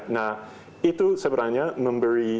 nah itu sebenarnya memberi